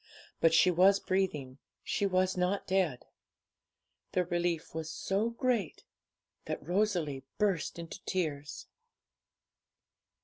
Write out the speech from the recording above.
But she was breathing, she was not dead. The relief was so great that Rosalie burst into tears.